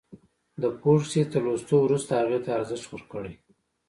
د فورډ د کيسې تر لوستو وروسته هغې ته ارزښت ورکړئ.